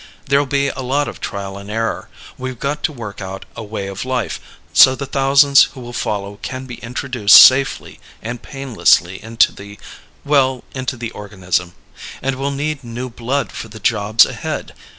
There'll be a lot of trial and error. We've got to work out a way of life, so the thousands who will follow can be introduced safely and painlessly into the well, into the organism. And we'll need new blood for the jobs ahead.